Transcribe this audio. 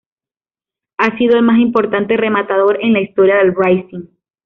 Ha sido el más importante rematador en la historia del Racing.